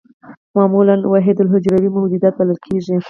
معمولاً وحیدالحجروي موجودات بلل کېږي.